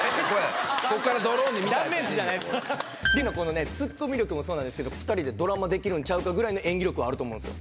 このねツッコミ力もそうなんですけど２人でドラマできるんちゃうかぐらいの演技力はあると思うんですよ。